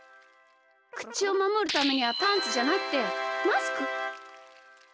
くちをまもるためにはパンツじゃなくてマスク！